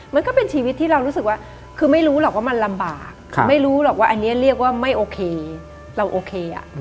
มันก็เป็นชีวิตที่เรารู้สึกว่าคือไม่รู้หรอกว่ามันลำบากไม่รู้หรอกว่าอันนี้เรียกว่าไม่โอเคเราโอเค